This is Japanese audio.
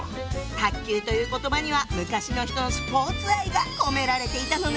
「卓球」という言葉には昔の人のスポーツ愛が込められていたのね。